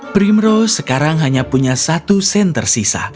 primrose sekarang hanya punya satu sen tersisa